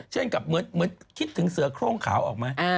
เช่นกับเหมือนคิดถึงเสือโครงขาวออกไหม